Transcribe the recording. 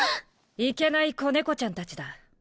いけない子猫ちゃんたちだ。